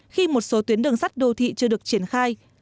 khi một số tuyến đường sắt đô thị chưa được triển khai